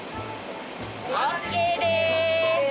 ＯＫです。